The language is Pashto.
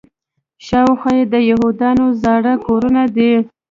شاوخوا یې د یهودانو زاړه کورونه دي.